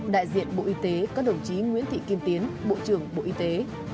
đại diện bộ y tế các đồng chí nguyễn thị kim tiến bộ trưởng bộ y tế